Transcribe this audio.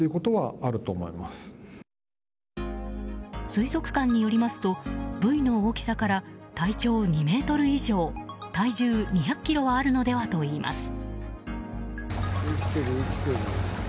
水族館によりますとブイの大きさから体長２ｍ以上、体重２００ｋｇはあるのではといいます。